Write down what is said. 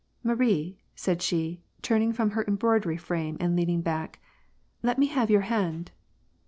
" Marie," said she, turning from her embroidery frame, and leaning back, " let me have your hand."